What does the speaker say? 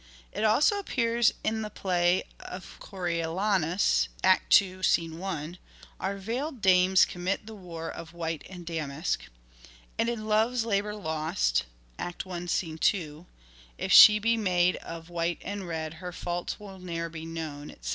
It also appears in the play of " Coriolanus " (II. i) :'' Our veiled dames commit the war of white and damask." And in " Love's Labour's Lost " (I. 2) : 1 ' If she be made of white and red Her faults will ne'er be known, etc."